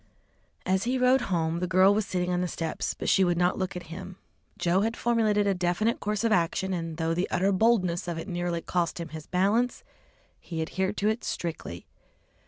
As he rode home, the girl was sitting on the steps, but she would not look at him. Joe had formulated a definite course of action, and though the utter boldness of it nearly cost him his balance, he adhered to it strictly.